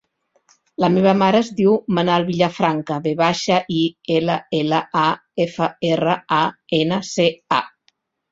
La meva mare es diu Manal Villafranca: ve baixa, i, ela, ela, a, efa, erra, a, ena, ce, a.